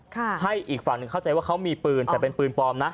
ให้อีกฝั่งหนึ่งเข้าใจว่าเขามีปืนแต่เป็นปืนปลอมนะ